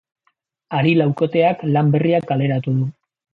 Hari-laukoteak lan berria kaleratu du.